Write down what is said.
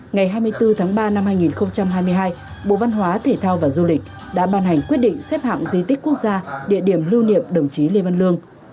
ngày hai mươi bốn tháng ba năm hai nghìn hai mươi hai bộ văn hóa thể thao và du lịch đã ban hành quyết định xếp hạng di tích quốc gia địa điểm lưu niệm đồng chí lê văn lương